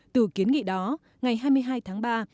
từ kiến nghị đó ngày hai mươi hai tháng ba